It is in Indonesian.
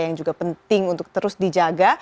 yang juga penting untuk terus dijaga